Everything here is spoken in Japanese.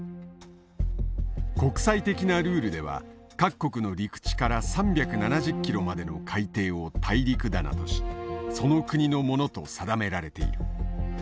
国際的なルールでは各国の陸地から３７０キロまでの海底を大陸棚としその国のものと定められている。